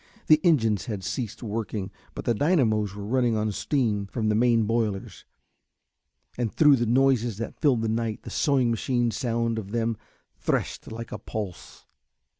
The engines had ceased working but the dynamos were running on steam from the main boilers, and through the noises that filled the night the sewing machine sound of them threshed like a pulse.